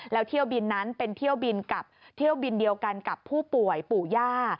แล้วเที่ยวบินนั้นเป็นเที่ยวบินกับเที่ยวบินเดียวกันกับผู้ป่วยปู่ย่า